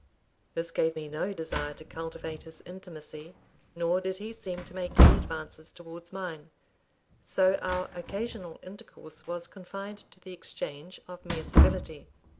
This gave me no desire to cultivate his intimacy, nor did he seem to make any advances towards mine; so our occasional intercourse was confined to the exchange of mere civility.